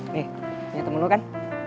nih ini temen lo kan